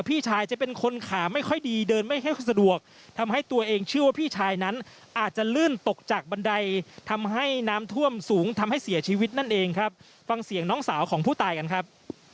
พี่ชายจะเป็นคนขาไม่ค่อยดีเดินไม่ค่อยสะดวกทำให้ตัวเองเชื่อว่าพี่ชายนั้นอาจจะลื่นตกจากบันไดทำให้น้ำท่วมสูงทำให้เสียชีวิตนั่นเองครับฟังเสียงน้องสาวของผู้ตายกันครับ